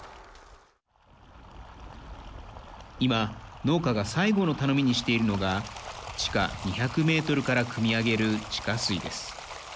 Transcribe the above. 今農家が最後の頼みにしているのが地下２００メートルからくみ上げる地下水です。